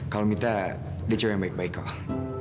kalau mita dia cari yang baik baik kok